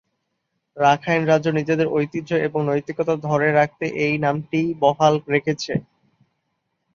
Rakhine রাজ্য নিজেদের ঐতিহ্য এবং নৈতিকতা ধরে রাখতে এই নামটিই বহাল রেখেছে।